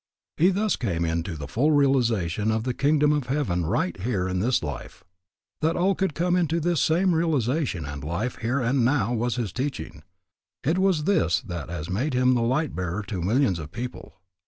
He thus came into the full realization of the Kingdom of Heaven right here in this life. That all could come into this same realization and life here and now was his teaching. It was this that has made him the Light Bearer to millions of people.